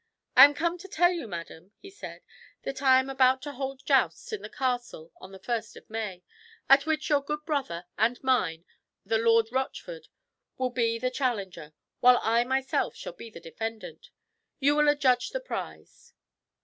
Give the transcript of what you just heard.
"I am come to tell you, madam," he said, "that I am about to hold jousts in the castle on the first of May, at which your good brother and mine, the Lord Rochford, will be the challenger, while I myself shall be the defendant. You will adjudge the prize."